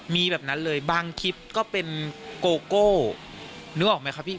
มีแบบนั้นเลยบางคลิปก็เป็นโกโก้นึกออกไหมครับพี่